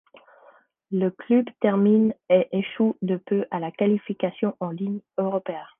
Le club termine et échoue de peu à la qualification en Ligue Europa.